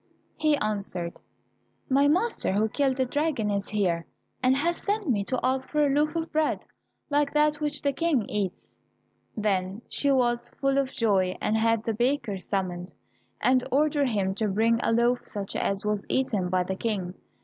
He answered, "My master, who killed the dragon, is here, and has sent me to ask for a loaf of bread like that which the King eats." Then she was full of joy and had the baker summoned, and ordered him to bring a loaf such as was eaten by the King.